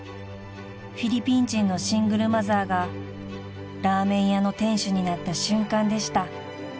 ［フィリピン人のシングルマザーがラーメン屋の店主になった瞬間でした］